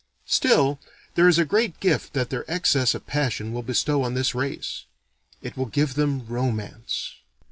Still, there is a great gift that their excess of passion will bestow on this race: it will give them romance.